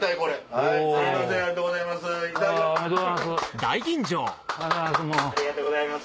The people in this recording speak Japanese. ありがとうございます。